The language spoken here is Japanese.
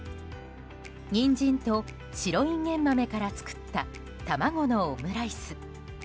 ニンジンと白インゲン豆から作った、卵のオムライス。